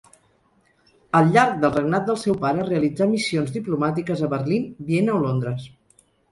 Al llarg del regnat del seu pare realitzà missions diplomàtiques a Berlín, Viena o Londres.